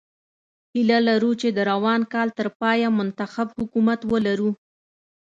هیله لرو چې د روان کال تر پایه منتخب حکومت ولرو.